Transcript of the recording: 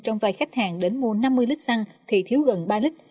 trong vài khách hàng đến mua năm mươi lít xăng thì thiếu gần ba lít